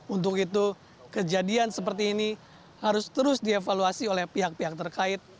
untuk itu kejadian seperti ini harus terus dievaluasi oleh pihak pihak terkait